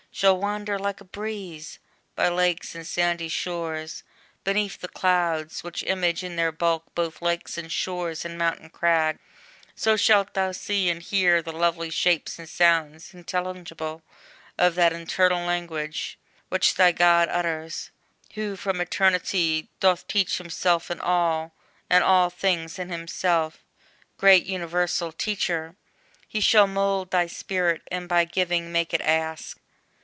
shalt wander like a breeze By lakes and sandy shores, beneath the clouds, Which image in their bulk both lakes and shores And mountain crags: so shalt thou see and hear The lovely shapes and sounds intelligible Of that eternal language, which thy God Utters, who from eternity, doth teach Himself in all, and all things in himself. Great universal Teacher! he shall mould Thy spirit, and by giving make it ask.